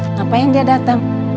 ngapain dia datang